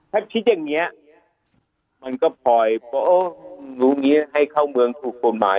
ถ้าคิดอย่างเงี้ยมันก็พลอยโอ้อย่างเงี้ยให้เข้าเมืองถูกพอมาก